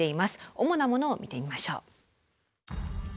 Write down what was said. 主なものを見てみましょう。